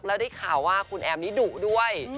แล้วได้ข่าวว่าคุณแอมนี้ดุด้วย